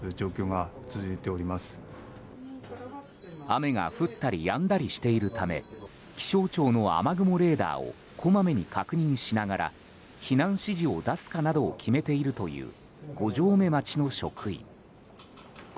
雨が降ったりやんだりしているため気象庁の雨雲レーダーをこまめに確認しながら避難指示を出すかなどを決めているという五城目町の職員。